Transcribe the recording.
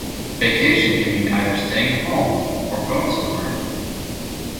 Vacation can mean either staying home or going somewhere.